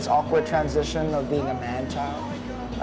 seperti transisi aneh menjadi anak muda